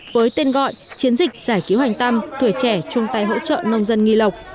với tên gọi chiến dịch giải cứu hành tăm thủy trẻ chung tay hỗ trợ nông dân nghi lộc